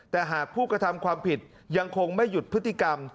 แต่หากผู้กระทำความผิดยังคงไม่หยุดพฤติกรรม